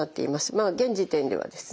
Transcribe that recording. まあ現時点ではですね